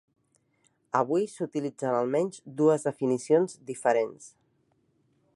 Avui s'utilitzen almenys dues definicions diferents.